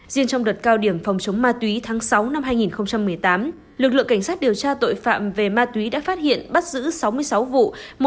riêng trong đợt cao điểm phòng chống ma túy tháng sáu năm hai nghìn một mươi tám lực lượng cảnh sát điều tra tội phạm về ma túy đã phát hiện bắt giữ sáu mươi sáu vụ